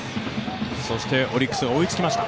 そしてオリックスが追いつきました。